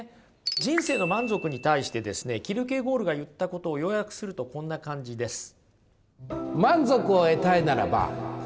人生の満足に対してですねキルケゴールが言ったことを要約するとこんな感じです。